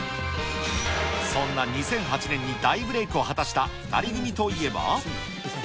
そんな２００８年に大ブレークを果たした２人組といえば。